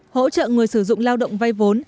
hỗ trợ người sử dụng lao động vay vốn